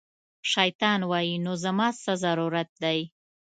شیطان وایي، نو زما څه ضرورت دی